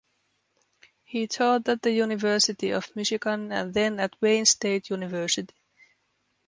He taught at the University of Michigan and then at Wayne State University.